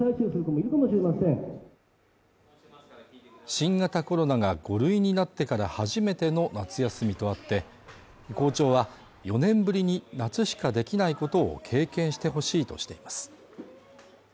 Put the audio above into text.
新型コロナが５類になってから初めての夏休みとあって、校長は４年ぶりに夏しかできないことを経験してほしいとしています。